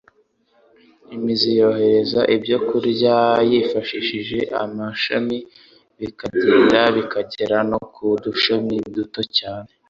Imizi yohereza ibyo kurya yifashishije amashami bikagenda bikagera no ku dushami duto cyane